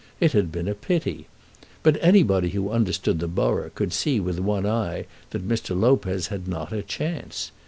It had been a pity. But anybody who understood the borough could see with one eye that Mr. Lopez had not a chance.